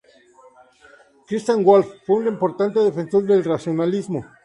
Christian Wolff fue un importante defensor del racionalismo.